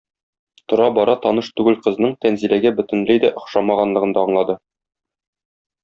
Тора-бара таныш түгел кызның Тәнзиләгә бөтенләй дә охшамаганлыгын да аңлады.